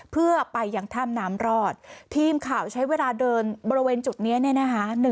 เพื่อไปยังถ้ำน้ำรอดทีมข่าวใช้เวลาเดินบริเวณจุดนี้เนี่ยนะคะ